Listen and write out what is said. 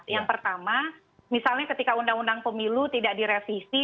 yang pertama misalnya ketika undang undang pemilu tidak direvisi